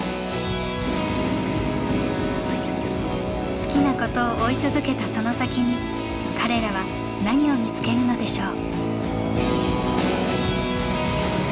好きなことを追い続けたその先に彼らは何を見つけるのでしょう。